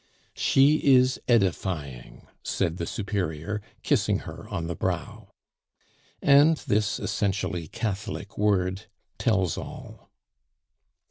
"She is edifying," said the Superior, kissing her on the brow. And this essentially Catholic word tells all.